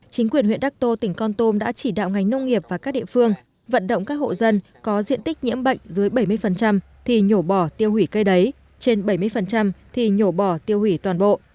chính quyền huyện đắc tô tỉnh con tôm đã chỉ đạo ngành nông nghiệp và các địa phương vận động các hộ dân có diện tích nhiễm bệnh dưới bảy mươi thì nhổ bỏ tiêu hủy cây đấy trên bảy mươi thì nhổ bỏ tiêu hủy toàn bộ